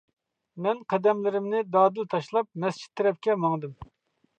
مەن قەدەملىرىمنى دادىل تاشلاپ مەسچىت تەرەپكە ماڭدىم.